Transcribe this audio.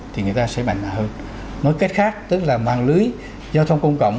thì người ta sẽ mạnh mẽ hơn nói cách khác tức là mạng lưới giao thông công cộng